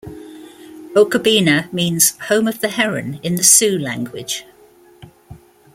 Okabena means "home of the heron" is the Sioux language.